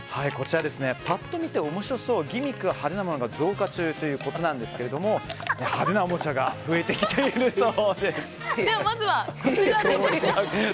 パッと見て面白そうギミックが派手なものが増加中ということなんですけれども派手なおもちゃが増えてきているそうです。